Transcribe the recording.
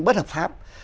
bất hợp pháp